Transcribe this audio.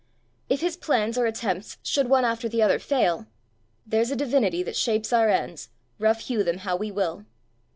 If his plans or attempts should one after the other fail, "there's a divinity that shapes our ends, rough hew them how we will"!